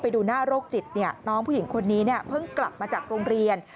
ดูหน้าโรคจิตน้องผู้หญิงคนนี้เพิ่งกลับมาจากโรงเรียน